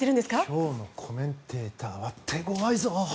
今日のコメンテーターは手ごわいぞ。